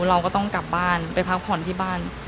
เราก็ต้องกลับบ้านไปพักผ่อนที่บ้าน